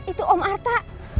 itu om arta